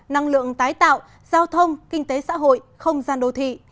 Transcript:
năng lượng tái tạo giao thông kinh tế xã hội không gian đô thị